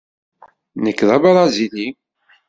Nekk d abṛazili.